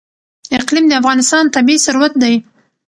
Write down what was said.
اقلیم د افغانستان طبعي ثروت دی.